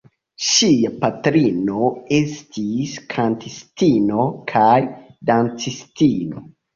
Ŝia patrino estis kantistino kaj dancistino.